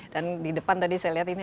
dan di depan tadi saya lihat ini